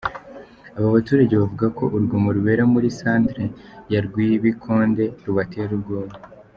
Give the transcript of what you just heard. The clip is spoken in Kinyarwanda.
Aba baturage bavuga ko urugomo rubera muri Santere ya Rwibikonde rubatera ubwoba.